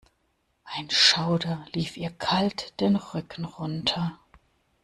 Ein Schauder lief ihr kalt den Rücken runter.